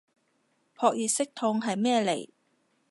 撲熱息痛係咩嚟